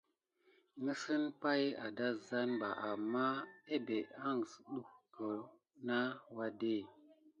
Nǝsen paï ah dazan ɓa, ammah ebé ahǝn sidike nah wade.